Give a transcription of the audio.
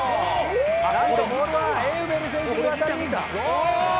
なんとボールはエウベル選手に渡りゴール！